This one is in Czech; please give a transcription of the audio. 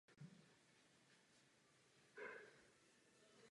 Byl tajemníkem strany.